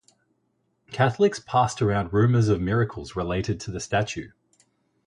Catholics passed around rumors of miracles related to the statue.